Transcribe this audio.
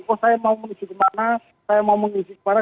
oh saya mau menuju kemana saya mau mengisi kemana